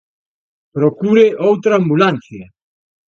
Procure outra ambulancia!